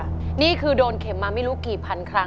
รายการต่อไปนี้เป็นรายการทั่วไปสามารถรับชมได้ทุกวัย